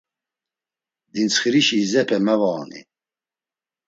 Dintsxirişi izepe mevaoni.